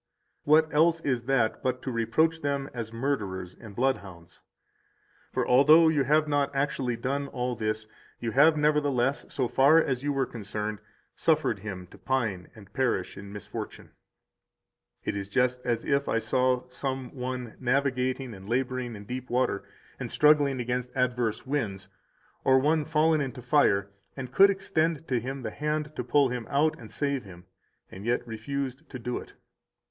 What else is that but to reproach them 192 as murderers and bloodhounds? For although you have not actually done all this, you have nevertheless, so far as you were concerned, suffered him to pine and perish in misfortune. It is just as if I saw some one navigating and laboring in deep water [and struggling against adverse winds] or one fallen into fire, and could extend to him the hand to pull him out and save him, and yet refused to do it.